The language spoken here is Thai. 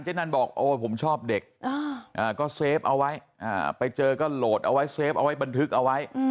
นั่นบอกโอ้ผมชอบเด็กก็เซฟเอาไว้ไปเจอก็โหลดเอาไว้เซฟเอาไว้บันทึกเอาไว้